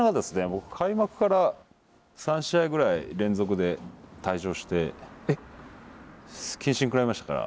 僕開幕から３試合ぐらい連続で退場して謹慎食らいましたから。